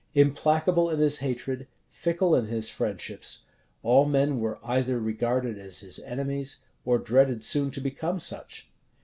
Implacable in his hatred, fickle in his friendships, all men were either regarded as his enemies, or dreaded soon to become such.